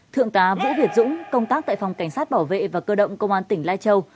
thượng tá vũ việt dũng công tác tại phòng cảnh sát bảo vệ và cơ động công an tỉnh lai châu